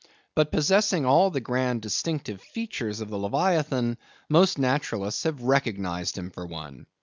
But possessing all the grand distinctive features of the leviathan, most naturalists have recognised him for one.